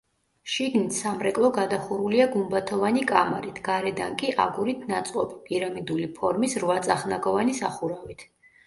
შიგნით სამრეკლო გადახურულია გუმბათოვანი კამარით, გარედან კი, აგურით ნაწყობი, პირამიდული ფორმის, რვაწახნაგოვანი სახურავით.